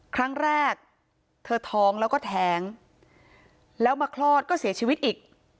ครั้งแรกเธอท้องแล้วก็แท้งแล้วมาคลอดก็เสียชีวิตอีก